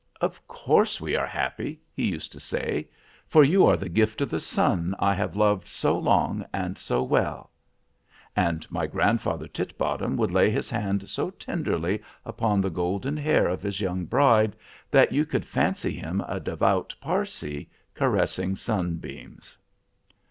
"'Of course we are happy,' he used to say: 'For you are the gift of the sun I have loved so long and so well.' And my grandfather Titbottom would lay his hand so tenderly upon the golden hair of his young bride, that you could fancy him a devout Parsee caressing sunbeams.